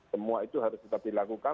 semua itu harus tetap dilakukan